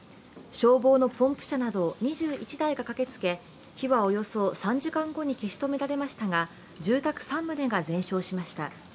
消防のポンプ車など２１台が駆けつけ火はおよそ３時間後に消し止められましたが、住宅３棟が全焼しました。